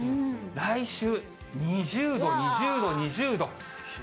来週２０度、２０度、２０度。